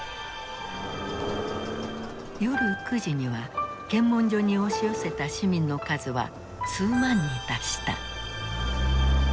夜９時には検問所に押し寄せた市民の数は数万に達した。